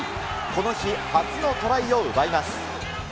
この日初のトライを奪います。